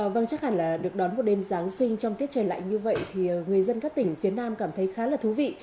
vâng chắc hẳn là được đón một đêm giáng sinh trong tiết trời lạnh như vậy thì người dân các tỉnh phía nam cảm thấy khá là thú vị